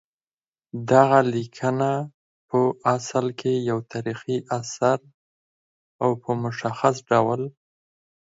دغه لیکنه پع اصل کې یو تاریخي اثر او په مشخص ډول